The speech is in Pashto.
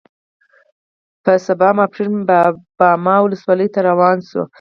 په سبا ماسپښین باما ولسوالۍ ته روان شوو.